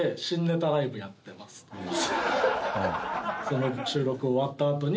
その収録終わったあとに。